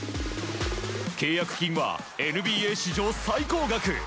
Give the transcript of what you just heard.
契約金はＮＢＡ史上最高額